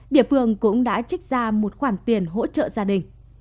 địa phương cũng đã trích ra một khoản tiền hỗ trợ gia đình